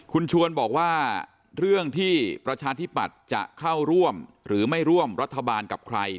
คุณชวนบอกว่าเรื่องที่ประชาธิปัตย์จะเข้าร่วมหรือไม่ร่วมรัฐบาลกับใคร